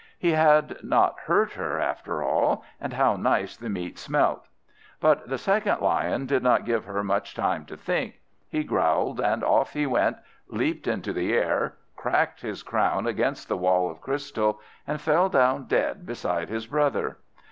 He had not hurt her, after all; and how nice the meat smelt! But the second Lion did not give her much time to think; he growled, and off he went, leaped into the air, cracked his crown against the wall of crystal, and fell down dead beside his brother.